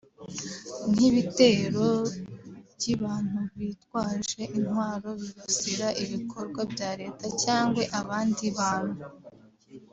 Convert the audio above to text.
nk’ibitero by’ibantubitwaje intwaro bibasira ibikorwa bya Leta cyangwa abandi bantu